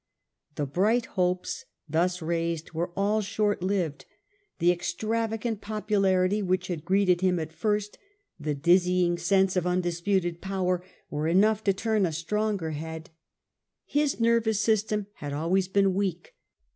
The bright hopes thus raised were all shortlived. The extravagant popularity which had greeted him at first, the dizzy sense of undisputed power, were enough to turn a stronger head. His pcror's popu nervous system had always been weak.